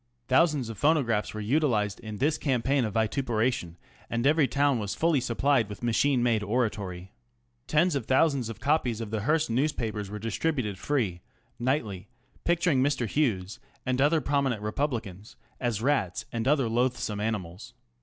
Thousands of phonographs were utilised in this campaign of vituperation, and every town was fully sup plied with machine made orator) .^ Tens of thousands of copies of the Hearst newspapers were distributed free nightly picturing Mr. Hughes and other pro minent Republicans as rats and other loathsome animals.